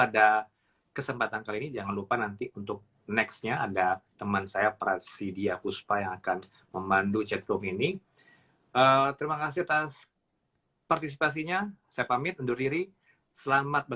dan salam sehat